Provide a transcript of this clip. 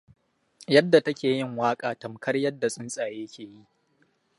Yadda take yin waƙa tamkar yadda tsuntsaye ke yi.